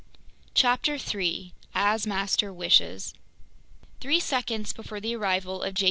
CHAPTER 3 As Master Wishes THREE SECONDS before the arrival of J.